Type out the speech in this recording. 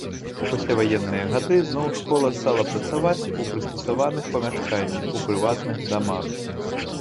У пасляваенныя гады зноў школа стала працаваць у прыстасаваных памяшканнях, у прыватных дамах.